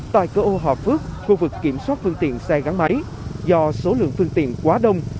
tại cửa ô hòa phước khu vực kiểm soát phương tiện xe gắn máy do số lượng phương tiện quá đông